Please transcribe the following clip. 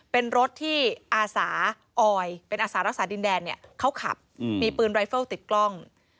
เป็นรถที่อาสารักษาดินแดนเขาขับมีปืนรายเฟิลติดกล้อง